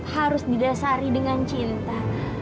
harus didasari dengan cinta